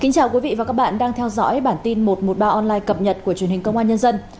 chào mừng quý vị đến với bản tin một trăm một mươi ba online cập nhật của truyền hình công an nhân dân